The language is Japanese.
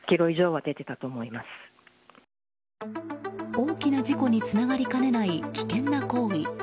大きな事故につながりかねない危険な行為。